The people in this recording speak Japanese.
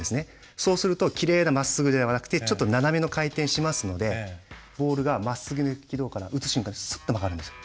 そうするときれいなまっすぐではなくてちょっと斜めの回転しますのでボールがまっすぐな軌道から打つ瞬間にスッて曲がるんですよ